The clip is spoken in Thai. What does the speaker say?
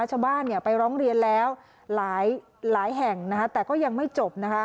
ชาวบ้านไปร้องเรียนแล้วหลายแห่งนะคะแต่ก็ยังไม่จบนะคะ